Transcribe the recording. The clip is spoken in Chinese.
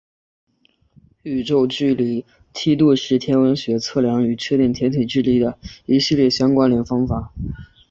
宇宙距离梯度是天文学家测量与确定天体距离的一系列相关联方法。